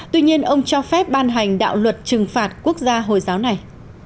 tuy nhiên ông cho phép ban hành đạo luật trừng phạt quốc gia hồi giáo này